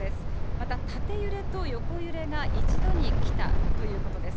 また縦揺れと横揺れが一度に来たということです。